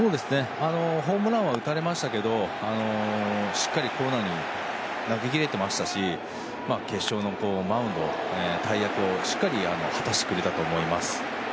ホームランは打たれましたけどしっかりコーナーに投げ切れていましたし決勝のマウンド、大役をしっかり果たしてくれたと思います。